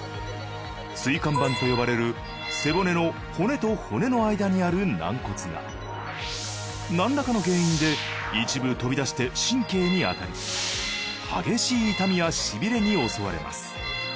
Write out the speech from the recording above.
椎間板と呼ばれる背骨の骨と骨の間にある軟骨がなんらかの原因で一部飛び出して神経に当たり激しい痛みやしびれに襲われます。